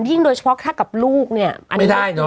ยิ่งโดยเฉพาะถ้ากับลูกเนี่ย